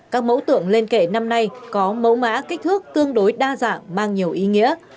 các mẫu tượng lên kể năm nay có mẫu mã kích thước tương đối đa dạng mang nhiều ý nghĩa